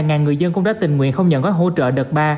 ngàn người dân cũng đã tình nguyện không nhận hỗ trợ đợt ba